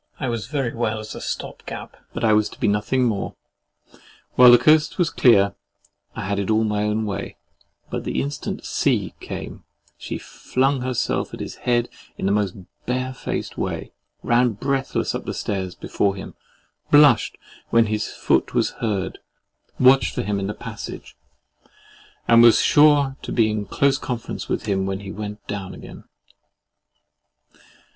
I was very well as a stopgap, but I was to be nothing more. While the coast was clear, I had it all my own way: but the instant C—— came, she flung herself at his head in the most barefaced way, ran breathless up stairs before him, blushed when his foot was heard, watched for him in the passage, and was sure to be in close conference with him when he went down again.